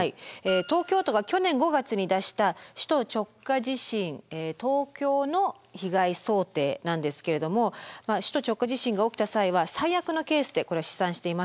東京都が去年５月に出した「首都直下地震東京の被害想定」なんですけれども首都直下地震が起きた際は最悪のケースでこれは試算しています。